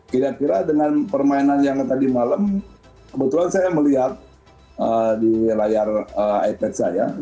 kira kira dengan permainan yang tadi malam kebetulan saya melihat di layar ipad saya